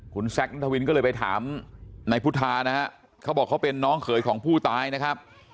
คุณแซคนัทวินก็เลยไปถามนายพุทธานะฮะเขาบอกเขาเป็นน้องเขยของผู้ตายนะครับ